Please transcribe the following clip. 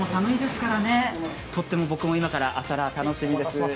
とても僕も今から朝ラー楽しみです。